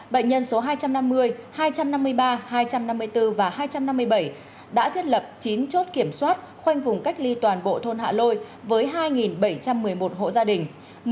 bệnh nhân số hai trăm năm mươi hai trăm năm mươi ba hai trăm năm mươi bốn và hai trăm năm mươi bảy đã thiết lập chín chốt kiểm soát khoanh vùng cách ly toàn bộ thôn hạ lôi với hai bảy trăm một mươi một hộ gia đình